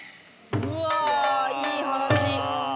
うわあいい話。